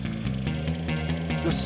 よし！